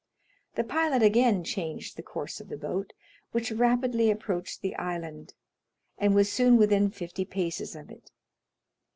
The pilot again changed the course of the boat, which rapidly approached the island, and was soon within fifty paces of it.